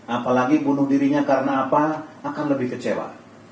apalagi bunuh dirinya karena apa akan lebih kecewa